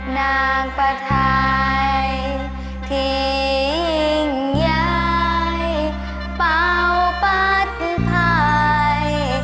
นางประทายทิ้งยายเป่าปัดไทย